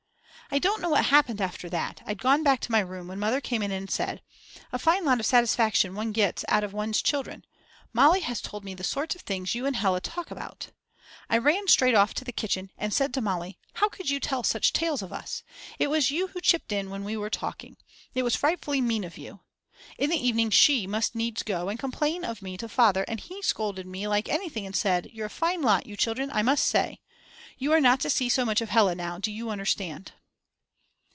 I don't know what happened after that, I'd gone back to my room when Mother came in and said: A fine lot of satisfaction one gets out of one's children. Mali has told me the sort of things you and Hella talk about. I ran straight off to the kitchen and said to Mali: How could you tell such tales of us? It was you who chipped in when we were talking. It was frightfully mean of you. In the evening she must needs go and complain of me to Father and he scolded me like anything and said: You're a fine lot, you children, I must say. You are not to see so much of Hella now, do you understand?